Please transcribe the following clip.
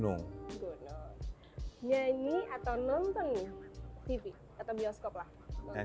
nonton tv atau bioskop lah